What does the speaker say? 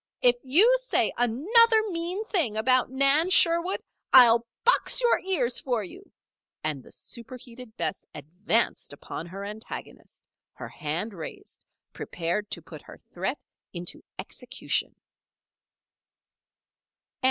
If you say another mean thing about Nan Sherwood I'll box your ears for you!" and the superheated Bess advanced upon her antagonist, her hand raised, prepared to put her threat into execution.